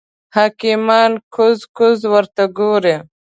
حکیمان کوز کوز ورته ګوري.